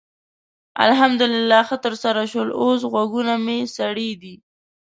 الحمدلله ښه ترسره شول؛ اوس غوږونه مې سړې دي.